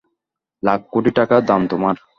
লাখ-কোটি টাকা দাম তোমার।